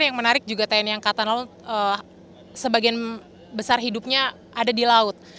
yang menarik juga tni angkatan laut sebagian besar hidupnya ada di laut